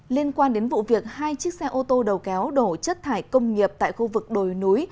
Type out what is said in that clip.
liên quan đến vụ việc hai chiếc xe ô tô đầu kéo đổ chất thải công nghiệp tại khu vực đồi núi